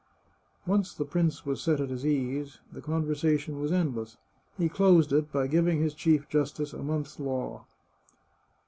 Once the prince was set at his ease, the conversation was endless ; he closed it by giving his chief justice a month's law.